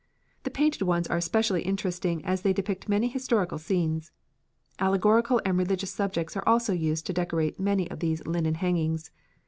The painted ones are especially interesting as they depict many historical scenes. Allegorical and religious subjects are also used to decorate many of these linen hangings.